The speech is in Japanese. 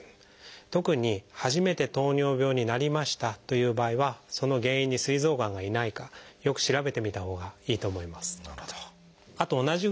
特に初めて糖尿病になりましたという場合はその原因にすい臓がんがいないかよく調べてみたほうがいいと思います。